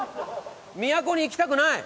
都に行きたくない！